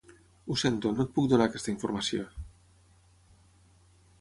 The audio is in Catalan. Ho sento, no et puc donar aquesta informació.